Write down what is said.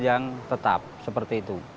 yang tetap seperti itu